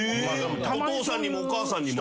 お父さんにもお母さんにも？